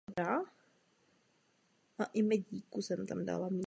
Rezignoval proto na řízení diecéze a přešel do papežské kurie.